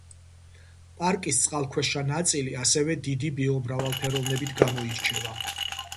პარკის წყალქვეშა ნაწილი ასევე დიდი ბიომრავალფეროვნებით გამოირჩევა.